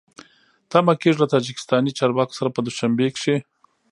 تمه کېږي له تاجکستاني چارواکو سره په دوشنبه کې